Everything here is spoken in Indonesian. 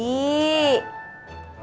ah petani nikah